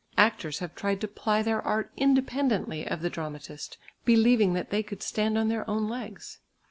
Actors have tried to ply their art independently of the dramatist, believing that they could stand on their own legs.